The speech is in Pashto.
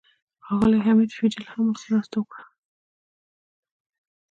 ښاغلي حمید فیدل هم مرسته وکړه.